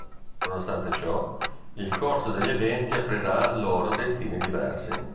Nonostante ciò, il corso degli eventi aprirà loro destini diversi.